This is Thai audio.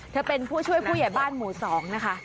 เธอเป็นผู้ช่วยผู้ใหญ่บ้านหมู่๒นะคะ